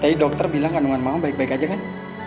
tadi dokter bilang kandungan ma baik baik saja kan